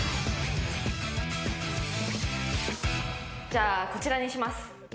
じゃあこちらにします。